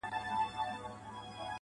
درد وچاته نه ورکوي.